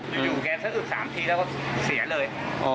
อยู่แกสะอึก๓ทีแล้วก็เสียเลย